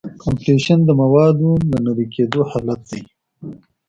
کمپریشن د موادو د نری کېدو حالت دی.